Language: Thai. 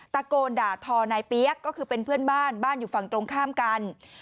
ตะโกนด่าทอนายเปี๊ยกก็คือเป็นเพื่อนบ้านบ้านอยู่ฝั่งตรงข้ามกัน